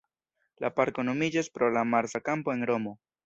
La parko nomiĝas pro la Marsa Kampo en Romo.